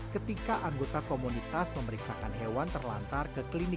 ketika anggota komunitas memeriksakan hewan terlantar ke klinik